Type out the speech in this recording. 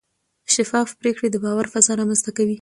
شفاف پریکړې د باور فضا رامنځته کوي.